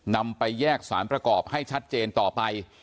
นำไปแยกสารประกอบให้ชัดเจนต่อไป